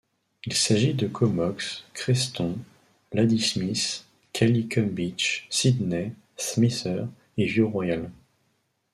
Il s'agit de Comox, Creston, Ladysmith, Qualicum Beach, Sidney, Smithers et View Royal.